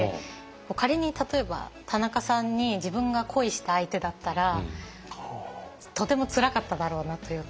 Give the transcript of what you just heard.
仮に例えば田中さんに自分が恋した相手だったらとてもつらかっただろうなというか。